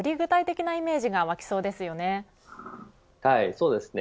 そうですね。